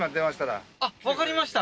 わかりました